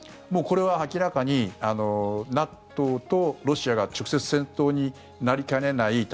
もうこれは明らかにＮＡＴＯとロシアが直接戦闘になりかねない